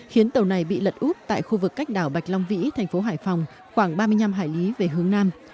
khiến tàu này bị lật úp tại khu vực cách đảo bạch long vĩ thành phố hải phòng khoảng ba mươi năm hải lý về hướng nam